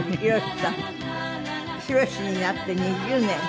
「ヒロシ」になって２０年。